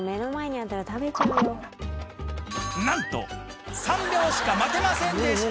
なんと３秒しか待てませんでした！